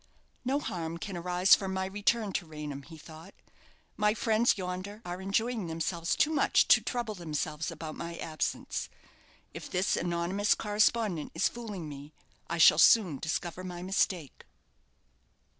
"No harm can arise from my return to Raynham," he thought. "My friends yonder are enjoying themselves too much to trouble themselves about my absence. If this anonymous correspondent is fooling me, I shall soon discover my mistake."